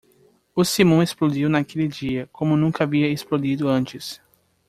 O simum explodiu naquele dia como nunca havia explodido antes.